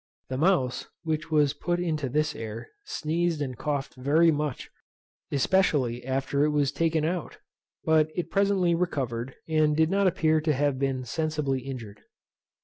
The mouse, which was put into this air, sneezed and coughed very much, especially after it was taken out; but it presently recovered, and did not appear to have been sensibly injured.